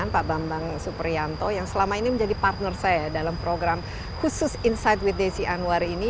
pak bambang suprianto yang selama ini menjadi partner saya dalam program khusus insight with desi anwar ini